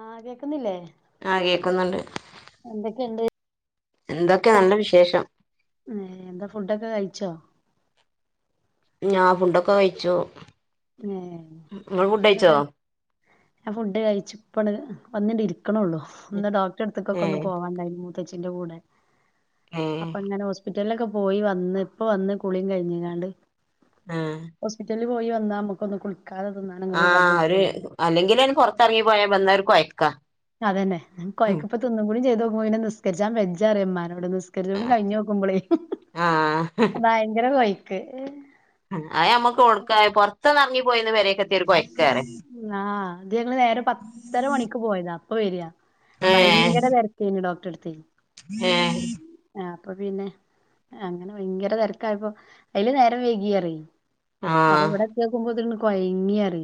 ആഹ് കേക്കുന്നില്ലേ? ആഹ് കേക്കുന്നുണ്ട് എന്തൊക്കെണ്ട്? എന്തൊക്കെ നല്ല വിശേഷം. ഏ എന്താ ഫുഡൊക്കെ കഴിച്ചോ? ആ ഫുഡ് ഒക്കെ കഴിച്ചു. ഏ നിങ്ങൾ ഫുഡ് ഒക്കെ കഴിച്ചോ കഴി ഞാ ഫുഡ് കഴിച്ചു പ്പാണ്ട് വന്നിണ്ടിരിക്ക ക്കണള്ളൂ ഇന്ന് ഡോക്ടറെ എട്ത്ത് ക്കൊക്കെ ഒന്ന് ഏഹ് പോവാണ്ടായിനി മൂത്തച്ചിന്റെ കൂടെ. ഏഹ് അപ്പൊ ഇങ്ങനെ ഹോസ്പിറ്റലിലൊക്കെ പോയി വന്ന് ഇപ്പ വന്ന് കുളിയും കഴിഞ്ഞിങ്ങാണ്ട് ആഹ് ഹോസ്പിറ്റലിൽ പോയി വന്നാ അ മ്മക്കൊന്ന് കുളി ആഹ് ഒര് അല്ലെങ്കിലന്നെ പൊർ ത്തെർങ്ങി പോയാ വന്നാര് കൊയ് ക്കാ. അതന്നെ കൊഴക്ക് പ്പോ തിന്നും കൂടി ചെയ്തോക്കുമ്പംപിന്നെ നിസ്കര്ച്ചാൻ വെജ്ജാറിയ മ്മാനോട് നിസ് നിസ്കര്ച്ചുകൊണ്ട് കഴിഞ്ഞോക്കുമ്പോളേ ആഹ് ഭയങ്കര കൊയ്‌ക്ക്. അയെമ്മക്ക് ഒട്ക്കായി പൊർത്ത് ന്നെർങ്ങി പോയെന്ന് പെരേക്ക ആ അത് ഞങ്ങള് നേരെ പത്തര മണിക്ക് പോയതാ പ്പ വരാ. ഭയങ്കര തെര്ക്കേനി ഡോക്ടറെ എട് ത്തേ ഏ. അപ്പൊ പിന്നെ അങ്ങനെ വയ്ങ്കര തെര്ക്കായപ്പോ അയ്ല് നേരം വൈകിയറേ. അപ്പം ആഹ് ഇവ്ടെ എത്തിയോക്കുമ്പോത്ത്ന് കൊയ്ങ്ങി അറ.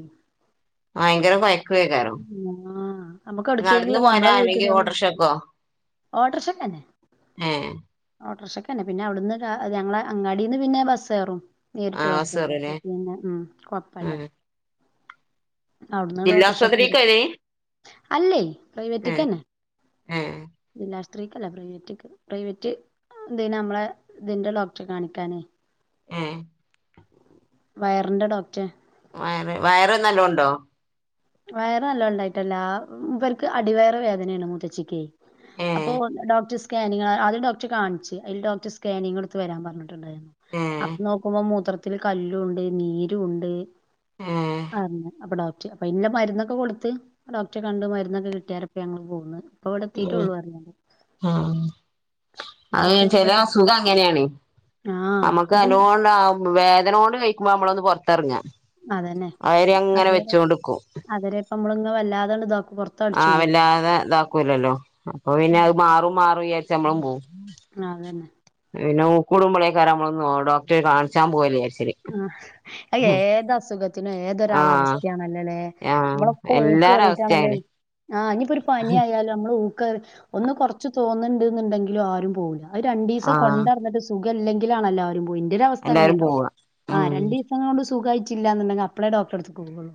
വയ്ങ്കര കൊയ്ക്കു ഏക്കാരം. ആഹ് നമുക്ക് നട്ന്ന് എവിടേക്കെങ്കിലും പോകലാല്ലെങ്കി ഓട്ടോർഷക്കോ? ഓട്ടോർഷക്കെ ന്നെ. ഏ. ഓട്ടോറിഷക്കെന്നെ പിന്നെ അവ് ടുന്ന് ഞങ്ങളെ അങ്ങാടിന്ന് പിന്നെ ബസ്സേറും. നേര്ട്ട് ആഹ് ബസ്ണ്ട്. ബസ്സേറുല്ലേ അപ്പ പിന്നെ ഉം കൊഴപ്പല്ല. ആഹ് അവിടുന്ന് ജില്ലാ ഓട്ടോറിക്ഷക്ക് വരും ആസ്പത്രിക്കേനി? അല്ലേ പ്രൈവറ്റ്ക്കന്നെ. ഏഹ് ജില്ലാ ത്രിക്കല്ല. പ്രൈവറ്റ്ക്ക്‌ പ്രൈവറ്റ് ന്തിനാ അമ്മളെ ഇതിന്റെ ഡോക്ടറെ കാണിക്കാനേ. ഉം. വയറ്ന്റെ ഡോക്റ്റെ. വയറ് വയറ് നല്ലോണ്ടോ. വയറ് നല്ലോം ഇണ്ടായിട്ടല്ല. ഇവർക്ക് അടിവയറ് വേദനേണ് മുത്തച്ചിക്കേ. അപ്പൊ ഏഹ് ഡോക്റ്റ് സ്കാനിങ് ആദ്യം ഡോക്റ്റെ കാണിച്ച്. അയില് ഡോക്റ്റ് സ്കാനിങ് ഇട്ത്ത് വരാൻ പർഞ്ഞ്ണ്. ട്ടുണ്ടായിരുന്നു. അപ്പ ഏഹ് നോക്കുമ്പോ മൂത്രത്തില് കല്ലും ണ്ട് നീരും ണ്ട്. ഏഹ് അർഞ്ഞ്. അപ്പൊ ഡോക് അപ്പയ്ന്ള്ള മര്ന്നൊക്കെ കൊടുത്ത് ഡോക്ടറെ കണ്ട് മരുന്നൊക്കെ കിട്ടിയാരപ്പ ഞങ്ങള് പോന്ന്. പ്പൊ ഉം ഇവടെത്തീട്ടുള്ളൂ അർഞ്ഞ് അഅ് ചെല അസുഖം അങ്ങനെയാണെ ആഹ് അമ്മക്ക് ഇത് നല്ലോണ്ട് ആവു വേദ ദനോണ്ട് വെയ്ക്കുമ്പോ നമ്മളൊന്ന് പൊർത്തെർങ്ങ. അതന്നെ അരെ അങ്ങനെ വെച്ചോണ്ട്ക്കും. നമ്മളിങ്ങ വല്ലാതണ്ട് താ ആഹ് വല്ലാതെ ഇതാക്കൂല്ലല്ലോ അപ്പൊ പിന്നെ അഅ് മാറും മാറും വിചാരിച്ച് നമ്മളും പോവും. ആ. പിന്നെ ഊക്കൂടുമ്പോളേക്കാരം നമ്മളൊന്ന് ഡോക്ടറെ കാണിച്ചാൻ പോല്. ആ അ ഏത് അസുഖത്തിനും ആഹ് ഏതൊരാളവസ്ഥയാണല്ലേലേ ഏ ആഹ് അമ്മളൊക്ക എല്ലാരെ അവസ്ഥേം ഊക്കേറിയിട്ടാണല്ലോ അങ്ങനെ ആഹ് ഇനിപ്പോ ഒരു പനി ആയാലും അമ്മള് ഊക്ക ഒന്ന് കൊർച്ച് തോന്ന് ണ്ട് ന്ന്ണ്ടെങ്കിലും ആരും പോവൂല്ല. അഅ് രണ്ടീസം ആഹ് കൊണ്ടട്ന്ന്ട്ട് സുഖം ഇല്ലെങ്കിലാണല്ലാരും പോയി ഇന്റെയ ഒരു അവസ്ഥ എല്ലാരും അങ്ങനെയാട്ടോ. പോവാ ആ ഉം രണ്ടീസം കൊണ്ട് സുഖായിട്ടില്ലന്നുണ്ടെങ്കി അപ്പളേ ഡോക്ടാറെടുത്തു പോവൊള്ളൂ.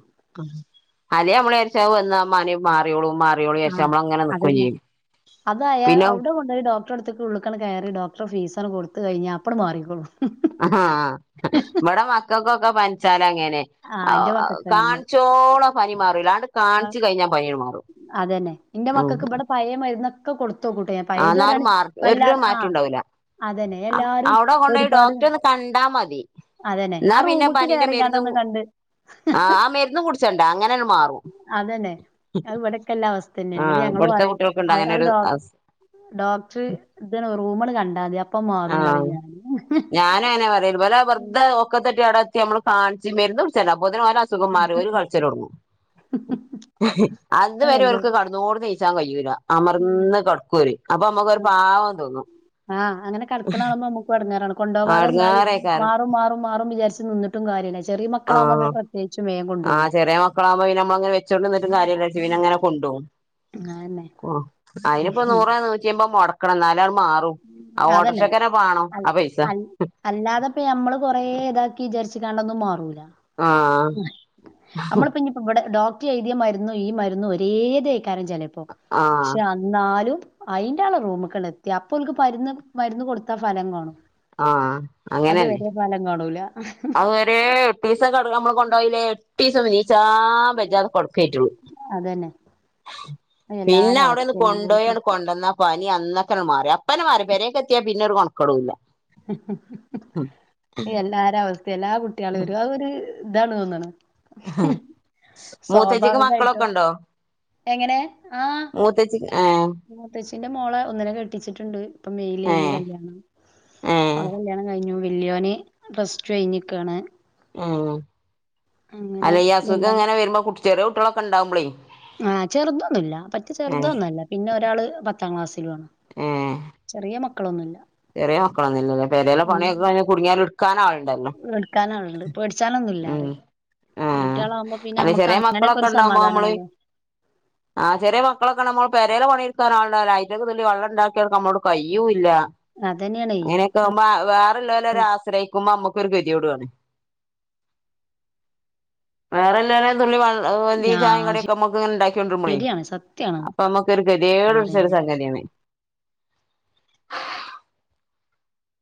അല്ലേ നമ്മള് വിചാരിച്ചും അത് വന്നാ മാറി മാറിയോളും മാറിയോളും ആ വിചാരിച്ച് നമ്മളങ്ങനെ നിക്കു അതന്നെ ചെയ്യും. പിന്നെ ഡേക്ടറെട്ത്ത്ക്ക് ഉള്ള്ക്ക് ആണ്ട് കേറി ഡോക്ടറെ ഫീസാണ്ട് കൊടട് ത്ത് കഴിഞ്ഞാ അപ്പങ്ങട് മാറിക്കോളും. ആ ഇബടെ മക്കക്കൊക്കെ പൻ ച്ചാല് അങ്ങനെ ആ എന്റെ ആഹ് മക്കൾക്ക് അങ്ങനെ കാണിച്ചോളം പനി മാറൂല അ ആ കാണിച്ച് കഴിഞ്ഞാ പനിഅങ്ങട് മാറും. അതന്നെ എന്റെ മക്കൾക്ക് ഇവിടെ പഴയ മരുന്നൊക്കെ കൊടുത്തു നോക്കൂട്ടോ ഞാൻ ആ പഴയത് എന്നാലും പറയാന് മാർ ഒരു വല്ലാതെ ആ മാറ്റോണ്ടാവൂല. അതന്നെ എല്ലാരും അവിടെ കൊണ്ട് പോയി ഒരുപാട് ഡോക്ടറെ ഒന്ന് കണ്ടാ മതി. അതന്നെ എന്നാ ആ പിന്നെ റൂമ്ക്ക് പനിന്റെ മെര്ന്നു, കേറിങ്ങാണ്ടൊന്ന് കണ്ട് ആഹ് ആ മെര്ന്നും കുടിച്ചണ്ട. അങ്ങനെ അതന്നെ. അത് ഇവിടെക്കെല്ലാ അവസ്ഥന്നെയാണ്. ആ എന്നിട്ട് ഞങ്ങള് ഇവിടുത്തെ പറയും കുട്ടികൾക്കുണ്ട് അങ്ങനെ അത് ഒരു ഡോക് ഡോക്ടറ് ഇത് റൂമങ്ങട് കണ്ടാ മതി. അപ് ആ ഞാനങ്ങനാ പറയല്. ഇവരെ വെറ്തെ ഒക്കത്തെ ത്തി ആടെ എത്തി നമ്മള് കാണിച്ച് മെര്ന്ന് കുടിച്ചേരാ [unintelligible] അസുഖം മാറി ഓര് കരച്ചില് തൊടങ്ങും. അത് വരെ അതെല്ലാം ഓർക്ക് കെടന്നോർമ്മ ക്കാൻ കയ്യൂല. ഉം അമർന്ന് കെടക്കു ഓര്. അപ്പൊ അമ്മക്കൊരു പാവം തോന്നു. ആഹ് അങ്ങനെ കെടക്കണ കാണുമ്പോ നമ്മക്കും എടങ്ങേറാണ്. കൊണ്ടുപോവാതെ നിന്നാല് ആടങ്ങേറേക്കാരം മാറും മാറും മാറും വിചാരിച്ച് നിന്നിട്ടും കാര്യല്ല വിചാ ചെറിയ മക്കളാവുമ്പോ ആഹ് അമ്മള് പ്രത്യേകിച്ച് വേഗം കൊണ്ടോവും. ആഹ് ചെറിയ ഇവനങ്ങനെ കൊണ്ടോവും. അതന്നെ ആഹ് അതിനിപ്പം ഉം നൂറോ നൂറ്റിയമ്പതും മൊടക്കണം. എന്നാല് അതന്നെ. അൽ ആ പൈസ അൽ അല്ലാതെ ഇപ്പ ഞമ്മള് കൊറേ ഇതാക്കി വിചാരി ച്ചിക്കാണ്ടൊന്നു മാറൂല. ആഹ് നമ്മളിപ്പം ഇവിടെ ഡോക് റ്റി എഴുതിയ മരുന്നു ഈ മരുന്നു ഒരേ ഇതേക്കാരം ചെലപ്പൊ. ആഹ് പക്ഷെ എന്നാലും അയിന്റാളെ റൂമ്ക്കണ്ടെ എത്തിയാ അപ്പോൾക്ക് മര്ന്ന് മരുന്ന് കൊടുത്താ ഫലം കാണും. ആഹ് അത് അങ്ങനെന്നെ വരെ ഫലം കാണൂല. അത് വരേ എട്ടീസം കെടന്ന് നമ്മള് കൊണ്ടോയീല്ലേ? എട്ടീസം നീ ച്ചാ ബേജാറ് കൊട്ക്കായിട്ടുള്ളൂ. അതന്നെ അത് പിന്നെ എല്ലാരെ അവസ്ഥ അവിടെയൊന്ന് കൊണ്ടോയി അങ്ങട് കൊണ്ടന്നാ പനി അന്നേക്കന്നെ മാറി. അപ്പന്നെ മാറി. പെരേയ്ക്കെത്തിയാ പിന്നെ ഒരു കൊണക്കേടു ഇല്ല. എല്ലാരെ അവസ്ഥയു എല്ലാ കുട്ട്യേളെയും ഒരു, അതൊരു ഇതാണ് തോന്നണ്. മൂത്തച്ചിക്ക് സ്വാഭാവികായിട്ടോ മക്കളൊക്കെ ഉണ്ടോ എങ്ങനെ? ആഹ് മൂത്തച്ചിക്ക് ഏഹ് മൂത്തച്ചീന്റെ മോളെ ഒന്നിനെ കെട്ടിച്ചിട്ട്ണ്ട്. ഇപ്പൊ മെയില് ഇനി ഏഹ് കല്യാണം. ഏഹ് അവളെ കല്ല്യാണം കഴിഞ്ഞു. വല്യോന് പ്ലസ് ടു കഴിഞ്ഞ് നിക്കാണ്. ഉം. അല്ല ഈ രണ്ടാമത്തെ അസുഖം ഇങ്ങനെ വരുമ്പോ കുട്ടി ചെറിയ കുട്ടികളൊക്കെ ഇണ്ടാവുമ്പളേ ആ ചെറുതൊന്നുല്ല. പറ്റ ചെറുതൊന്നു അല്ല. പിന്നെ ഒരാള് പത്താം ക്ലാസ്സിലും ആണ്. ഉം ചെറിയ മക് ചെറിയ മക്കളൊന്നു ഇല്ലല്ലേ? പെരേലെ പണിയൊക്കെ കഴിഞ്ഞ് കുട്ങ്ങിയാല് എട്ക്കാനാള് എട്ക്കാനാള്ണ്ട്. പേടിച്ചാനൊന്നുല്ലാറ്. ഉം വെല്യ ആഹ് കുട്ട്യാളാവുമ്പോ പിന്നെ അല്ല അമ്മക്ക് അങ്ങനെയൊക്കെ ഒരു സമാധാനാണല്ലോ. ആ ചെറിയ മക്കളൊക്കെ ആണേ അമ്മൾ പെരേലെ പണിയെട്ക്കാൻ ആള്ണ്ടാവൂല അയിന്റൊക്കെ ഒരു തുള്ളി വെള്ളം ഇണ്ടാക്കിയെട്ക്കാൻ അമ്മളോട് കയ്യു ഇല്ല. അതന്നെയാണേ അങ്ങനെയൊക്കെ ആവ്മ്പോ വേറുള്ളവരെ ആശ്രയിക്കുമ്പോ അമ്മുക്ക് ക്കൊരു ഗത്യേടു ആണ്. വേറൊള്ളാരെ ഒരു തുള്ളി വെൾ അത്പോലന്നീ ചായയും ആഹ് കടിയൊക്കെ ഇമ്മക്ക് ഇങ്ങനെ ഇണ്ടാക്കി കൊണ്ടര്മ്പളേ ശരിയാണ് സത്യാണത് അപ്പൊ അമ്മക്കൊരു ഗതികേട് പിടിച്ചൊരു പറയാന് സംഗതിയാണ്.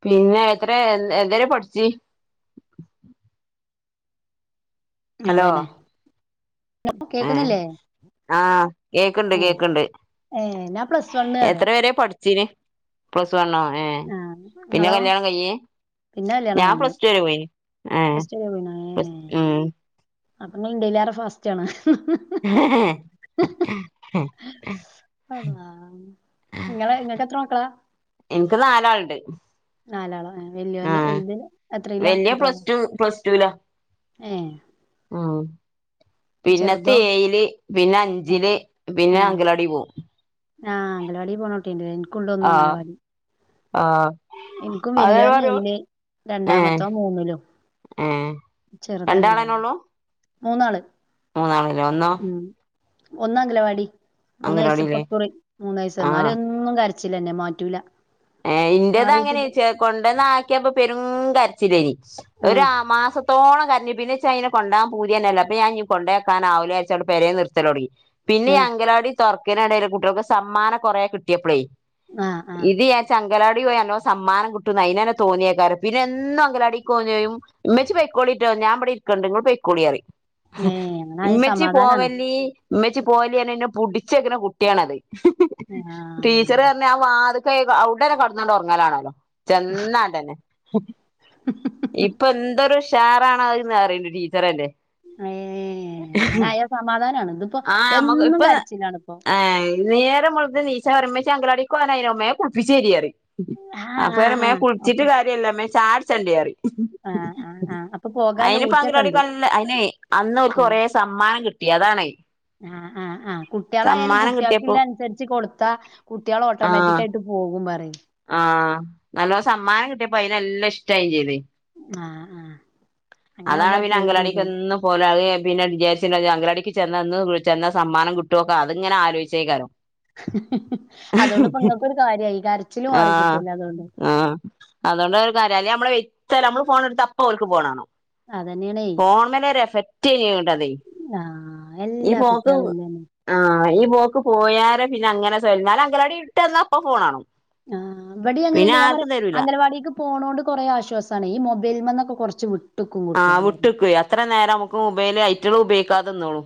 പിന്നെ എത്ര എന്ത്‌ വരെ പഠിച്ച്? ഹലോ അതന്നെ. കേക്ക്ന്നില്ലേ? ആ കേക്ക്ണ്ട് കേക്ക്ണ്ട്. ഏഹ് ഞാൻ പ്ലസ് വണ്ണ് പറയാ എത്ര വരയാ പഠി ച്ച്നി. പ്ലസ് വണ്ണോ? ഏഹ്? ആഹ് പിന്നെ ഇങ്ങളോ കല്യാണം കഴിഞ്ഞീ? പിന്നെ കല്യാണം ഞാൻ കഴിഞ്ഞു പ്ലസ് ടു വരെ പോയിന്. ഏഹ്. പ്ലസ് ഉം. അപ്പ ഇങ്ങള് എന്റയിലേറെ ഫാസ്റ്റാണ്. ഇങ്ങക്കെത്ര മക്കളാ? ണ്ട്. നാലാളോ ഏ വല്യോന് വല്ത് എത്രീലാ [unintelligible] റ്റൂലാ. ഏ ആഹ് പിന്നത്തെ ഏയില്, പിന്നെ അഞ്ചില് പിന്നെ അങ്കലവാടീ പോവും. ആ അംഗലവാടി പോണട്ടിണ്ട് ലേ. ഇൻക്കോണ്ടുന്നു ആഹ് അംഗലവാടി. ആഹ് ഇൻക്കും അതെ വല്യോന് പറയൂ ഏയില് ഏഹ് രണ്ടാമത്തോൻ മൂന്നിലും ഏഹ് രണ്ടാളെന്നെ ചെറുതങ്കലവാടില്. മൂന്നാള് മൂന്നാള് ലേ, ഒന്നോ? ഉം ഒന്ന് അംഗലവാടി. മൂന്ന്വയസ്സ് ഇപ്പ അങ്കലവാടില്ലേ ഇക്കുറി മൂന്നയസ് ആഹ് ഇന്നാലും എന്നും കര ച്ചിലെന്നെ മാറ്റൂല. ഏ ഇന്റത് അങ്ങനെ മാറിയിട്ടില്ല ചെ ക്കൊണ്ടന്നാക്കിയേപ്പം പെരും കരച്ചില്ലേനി. ഒരു ആഹ് ആ മാസത്തോളം കര ഞ്ഞ്. പിന്നെ ഇച്ച് അയ്നെ കൊണ്ടാവാൻ പൂത്യെന്നെല്ല. അപ്പം ഞാൻ ഞ് കൊണ്ടേ യാക്കാനാവൂല്ലാ ര്ച്ചാണ്ട് പെരേ നിർത്തലൊടങ്ങി. പിന്നിം ആഹ് അങ്കലവാടി തൊർക്ക്ണ എടേല് കുട്ട്യൾക്ക് സമ്മാനം കൊറേ കിട്ട്യേപ്പളെയ്. ആഹ് അ അംഗലാടി പോയ നല്ലോം സമ്മാനം കിട്ടുംന്ന് അയിനന്നെ തോന്നിയേക്കാരം. പിന്നെ എന്നും അങ്കലാടികോവും ചെയ്യും. ഇമ്മച്ചി പെയ്ക്കോ ളിട്ടോ ഞാൻ ഇബടെ ഇരിക്കണ്ട് ഇങ്ങള് പൊയ്ക്കോളിയറിം. ഏഹ് അങ്ങനായ ഇമ്മച്ചി സമാധാനാണ് പോവല്ലീ ഇമ്മച്ചി പോവല്ലീറന്ന് ഇന്നെ പുടിച്ചെക്ക്ണ കുട്ടിയാണത്. ആഹ് ടീച്ചറർഞ്ഞ് ആ വാ [unintelligible] അവ്ടെന്നെ കടന്നാണ്ട് ഒർങ്ങലാണല്ലോ ചെന്നാട്ടന്നെ. ഇപ്പൊന്തൊരു ഉഷാറാണാത് ന്ന്റിയ്ണ്ട് ടീച്ചറെന്നെ. ഏഹ് അങ്ങനെ ആയാ സമാധാനാണ്. ഇതിപ്പോ ആഹ് നമുക്ക് എന്നും ഇപ്പൊ കരച്ചിലാണിപ്പോ ഏഹ് [unintelligible] നേരം വെള്ത്ത് നീച്ചാ പറയും ഇമ്മച്ച്യേ അഗനവാടികൊവാനായിനോ മേം കുൾപ്പിച്ചെരീയറിം. ആഹ് അപ്പ ഞാ ആഹ് റിം മേം ആഹ് അപ്പൊ കുളിച്ചിട്ട് കാര്യല്ലാ മേം ചായുടിച്ചെണ്ടെറിയും. ആഹ് ആഹ് ആഹ് അപ്പൊ പോകാല്ല അയിന് ഇപ്പങ്കനാവാടി ഊറ്റൊക്കെണ്ട് പറിണല്ലാ അയിനേ അന്നോൽക്ക് ആഹ് കൊറേ സമ്മാനം കിട്ടി അതാണത്. ആഹ് ആഹ് ആഹ് കുട്ടിയേളായാലും കിട്ടിയപ്പോ കുട്ടികൾക്കില്ലെ അൻസരിച്ച് കൊടുത്താ കുട്ടിയേൾ ആഹ് ഓട്ടോമാറ്റിക് ആയിട്ട് പോ പോകും പറിം. ആഹ് നല്ലോം സമ്മാനം കിട്ടിയേപ്പം അയിനല്ല ഇഷ്ടായിം ചെയ്ത്. ആഹ് ആഹ് അങ്ങനെ അതാണ് ആവുമ്പോ പിന്നെ പോവും ചെയ്തോളും അങ്കലാടിക്കെന്നും പോവലാ അഹ് പിന്നെ വിജാര്ച്ച്ണത് അങ്കലാടിക്ക് ചെന്നാ ന്നും ചെന്നാ സമ്മാനം കിട്ടുവോക്കാ അത് ഇങ്ങനെ ആലോയിച്ചേക്കാരം. അതോണ്ട് ഇപ്പ ഇങ്ങക്കൊരു കാര്യായി കരച്ചില് മാറി കിട്ടിയല്ലൊ അതോണ്ട്. അതൊണ്ടരു കാര്യാ അല്ലെ നമ്മളെ വൈത്തലെ നമ്മള് ഫോണ് ഇട്ത്താ അപ്പോൽക്ക് ഫോണാണം. അതന്നെയാണേ ഫോണ്മല് ഒരു എഫക്റ്റേനി [unintelligible] ആഹ് ഈ എല്ലാ പോക്ക് കുട്ട്യാളും ഇല്ലന്നെ ആഹ് ഈ പോക്ക് പോ പോയാരെ പിന്നെ അങ്ങനെ സൊഅല്. ഇന്നാലങ്കലാടി വിട്ടന്നാ അപ്പം ഫോണാണം. ആഹ് ഇവടീ പിന്നെ അങ്ങനെന്ന. ഞാൻ പറിം ആർക്കും തരൂല അംഗലവാടിക്ക് പോണോണ്ട് കൊറെ ആശ്വാസാണെ ഈ മൊബൈൽമെന്നൊക്കെ കൊർച്ച് വ് ആഹ് വിട്ട് ക്ക്വോയി അത്ര നേരം നമുക്ക് മുബൈൽ അയ്റ്റേൾ ഉപയോഗിക്കാതന്നോളും.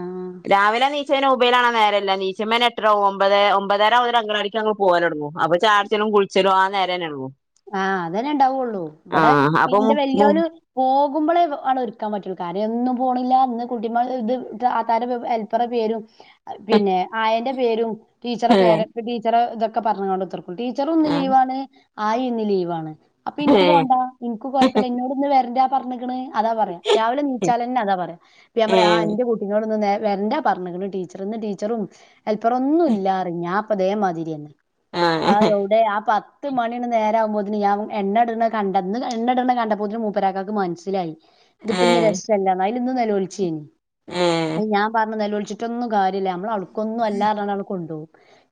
ആഹ് രാവിലെ നീചൈനാ ഉബയിലാണം നേരല്ല നീച്ചുംമ്പെന്നെ എട്ടരാവും. ഒമ്പതേ ഒമ്പതര ആവുമ്പോ അ കണവാടീക്ക് അങ്ങള് പോകലൊടങ്ങും അപ്പോ ചായുട്ച്ചലും കുളിച്ചലും ആ നേരെനെള്ളൂ. ആഹ് അതന്നെ ഇണ്ടാവൊള്ളൂ. ഇബടെ ആഹ് അപ്പൊ ഇന്റെ മു മു വലിയോന് പോ കുമ്പളേ വ ആണ്ടൊരുക്കാൻ പറ്റൊള്ളൂ. കാര്യെ ന്നും പോണില്ലാ ഇന്ന് കുട്ടിമാ ഇത് ആ [unintelligible] ഹെൽപ്പറെ പേരും അഹ് പിന്നെ ആയന്റെ പേരും ടീച്ചറെ പേര് ടീച്ചറെ ഇതൊക്കെ പറഞ്ഞ്ങ്ങാണ്ട് കുത്തർക്കും. ടീച്ചറുംന്ന് ആഹ് ലീവാണ് ആയി ഇന്ന് ലീവാണ്. അപ്പൊ ഇൻക്ക് പോണ്ടാ. ഇൻക്ക് കൊഴപ്പല്ലാ ഇന്നോട്ന്ന് വരണ്ടാ പർഞ്ഞിക്ണ്. അതാ പറയാ രാവിലെ നീച്ചാലന്നെ അതാ പറയാ അപ്പയാൻ പറയും ആ ഏഹ് ഇന്റെ കുട്ടിനോടിന്ന് നേ വര്ണ്ടാ പറഞ്ഞ്ക്ണ് ടീച്ചർ, ഇന്ന് ടീച്ചറും ഹല്പ്പറൊന്നും ഇല്ലാ പറിം ഞാൻ പ്പ തേ മാതിരിയെന്നെ. ആ എവ്ടെ ആ പത്ത് നേരാകുമ്പോത്ത്ന് ഞാൻ എണ്ണട്ണ കണ്ടന്ന് ഇന്ന് എണ്ണട്ണ കണ്ടപ്പോത്ത്നും മൂപ്പരാക്കാക്ക് മനസ്സിലായി. ഇത് ഇപ്പിഞ്ഞി രസല്ലാന്ന് അതിന് ഇന്ന് നൊലോൽച്ചേനി അത് ഞാൻ പറഞ്ഞ് നൊലോൽച്ചിട്ടൊന്നും കാര് ലാ നമ്മൾ അവട്ക്കൊന്നും അല്ലാ പറഞ്ഞാണ്ട് കൊണ്ടോകും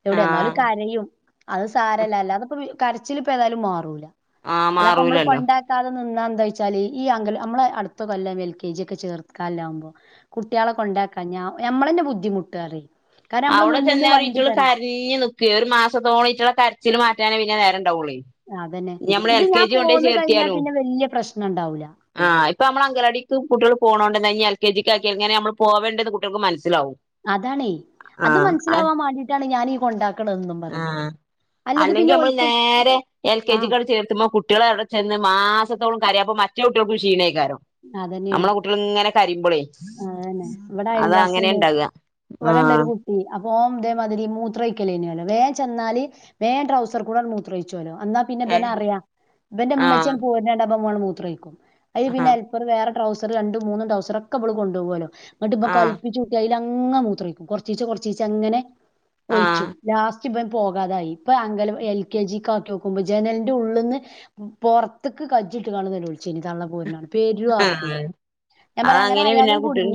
എവിടെ എന്നാലും ആഹ് കരയും. അത് സാരല്ല അല്ലാതപ്പം കരച്ചിലിപ്പതായാലും മാറൂല. ആഹ് അല്ലാ പ്പം നമ്മൾ മാറൂലല്ലോ കൊണ്ടാക്കാതെ ന്നാ എന്തായ്ച്ചാല് ഈ അങ്കലം നമ്മളെ അടുത്ത കൊല്ലം എൽ കെ ജി ക്കെ ചേർക്കല്ലാവുമ്പോ കുട്ട്യാളെ കൊണ്ട [unintelligible] ഞമ്മളെന്നെ ബുദ്ധിമുട്ട് അറി അഔടെ ചെന്നാല് ഇറ്റള് കരഞ്ഞ് നിക്കേ ഒരു മാസത്തോളം ഇറ്റളേ കരച്ചിൽ മാറ്റാനേ പിന്നെ നേര ട്ടവൊളി അതന്നെ ഇത് ഞാൻ പോന്ന് കഴിഞ്ഞാ പിന്നെ വല്ല്യ പ്രശ്നണ്ടാവൂല. ആ ഇപ്പ നമ്മള അങ്കലാടിക്ക് കുട്ട്യള് പോണോണ്ടന്നേ ഇഞ്ഞ് എൽ കെ ജിക്ക് ആക്കി എങ്ങനെ നമ്മൾ പോവേണ്ടെന്ന് കുട്ട്യൾക്ക് മനസ്സിലാവും. അതാണേ അത് ആഹ് മനസ്സിലാവാൻ മാണ്ടിട്ടാണ് ഞാനീ കൊണ്ടാക്ക്ണതന്നും പറിം. ആഹ് അല്ലെങ്കി നമ്മള് നേരെ എൽ കെ ജി ആഹ് ക്കാണ്ട് ചേർത്ത്മ്പോ കുട്ട്യള് അവിടെ ചെന്ന് മാസ [unintelligible] കരയുമ്പോ മറ്റേ കുട്ട്യൾക്കും ക്ഷീണേക്കാരം നമ്മെള കുട്ട്യള്ങ്ങനെ കരിമ്പളേ. ആന്നെ ഇവിടെ അത് അങ്ങനെ അയൽവാസിണ്ട് ഇണ്ടാക ഇവിടെണ്ടരു ആഹ് കു [unintelligible] അപ്പോ ഓൻ ഇതേമാതിരി മൂത്രഴ്ക്കലേനിലോ വേ ചെന്നാല് വേ ട്രൗസർ കൂടാണ്ട് മൂത്രഴ്ച്ചൊലോ. എന്നാ പിന്നെ ഇബന് ഏഹ് അറിയാ ഇബന്റെ ഇമ്മച്ചി ആഹ് പോര്ണ്ണ്ണ്ടാ ഇബം മൂത്രൊയിക്കും അയിന് പിന്നെ ആഹ് ഹെൽപ്പറ് വേറെ. ട്ടൗസർ രണ്ട്, മൂന്ന് ട്ടൗസർ ഒക്കെ ഇബള് കൊണ്ടോകല്ലോ ങ്ങട്ട് ഇബം ആഹ് കൽപിച്ചൂട്ടി അയില ങ്ങ മൂത്രയ്കും കൊർച്ചീച്ച കൊർച്ചീച്ചങ്ങനെ ഒിഴിച്ചും ആഹ് ലാസ് [unintelligible] ഇബൻ പോകാതായി ഇപ്പൊ അങ്കല എൽ കെ ജിക്ക് ആക്കിക്കുമ്പോ ജനല്ന്റെ ഉള്ള്ന്ന് പൊർത്ത്ക്ക് കജ്ജ്ട്ട് കാണ്ട് നെലോൽചേനി തള്ള പോര്ണ [unintelligible] ആഹ് പെരുആർപ്പേനി ഞാൻ പറ ങ്ങ [unintelligible] പിന്നെ കുട്ട്യൾ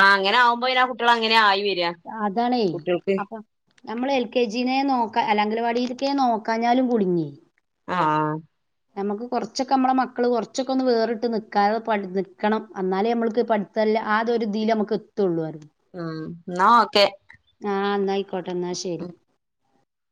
ആ അങ്ങനെ ആകുമ്പോന്നെ കുട്ട്യളങ്ങനെ ആയി വെ ആ അതാണേ അപ്പ നമ്മൾ എൽ കെ ജി [unintelligible] നെ നോക്ക അല്ല അങ്കനവാടിൽക്കെ നോക്കാഞ്ഞാലും കുടുങ്ങി. ആഹ്. നമ്മ്ക്ക് കുറച്ചൊക്കെ നമ്മള മക്കള് കുറച്ചൊക്കെ ഒന്ന് വേറിട്ട്നിക്കാതെ പഠ് [unintelligible] നിക്കണം എന്നാലേ നമ്മൾക്ക് പഠ്ത്ത ല്ല ആ തൊരുതിൽ നമ്ക്ക് എത്തുള്ളൂ. [unintelligible] ആ. ആ ന്നയ്ക്കോട്ടെ ന്നാ ശെരി.